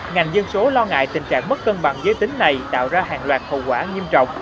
ngành dân số lo ngại tình trạng mất cân bằng giới tính này tạo ra hàng loạt hậu quả nghiêm trọng